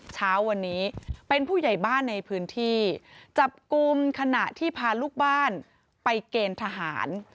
เช้าวันนี้เป็นผู้ใหญ่บ้านในพื้นที่จับกลุ่มขณะที่พาลูกบ้านไปเกณฑ์ทหาร